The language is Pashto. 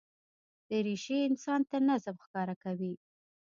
دریشي انسان ته نظم ښکاره کوي.